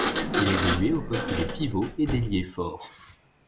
Il évoluait aux postes de pivot et d'ailier fort.